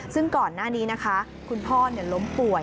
ซึ่งก่อนหน้านี้นะคะคุณพ่อล้มป่วย